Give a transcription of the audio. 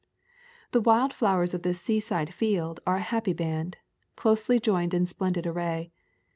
The wild flowers of this seaside field are a happy band, closely joined in splendid array.